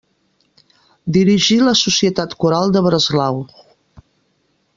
Dirigí la Societat Coral de Breslau.